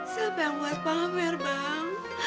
siapa yang buat pamer bang